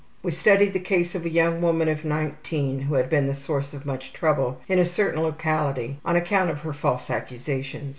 We studied the case of a young woman of 19 who had been the source of much trouble in a certain locality on account of her false accusations.